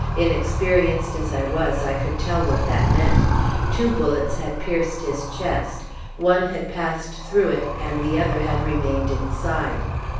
Inexperienced as I was, I could tell what that meant. Two bullets had pierced his chest; one had passed through it, and the other had remained inside.